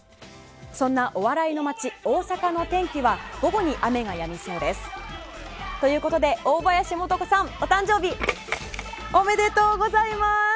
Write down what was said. そんなお笑いの街・大阪の天気は午後に雨がやみそうです。ということで、大林素子さんお誕生日おめでとうございます！